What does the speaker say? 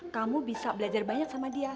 kamu bisa belajar banyak sama dia